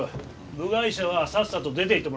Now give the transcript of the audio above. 部外者はさっさと出ていってもらおう。